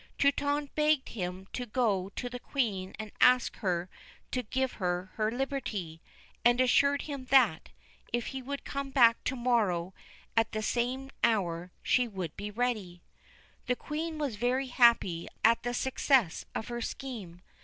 Truitonne begged of him to go to the Queen and ask her to give her her liberty, and assured him that, if he would come back to morrow at the same hour, she would be ready. The Queen was very happy at the success of her scheme.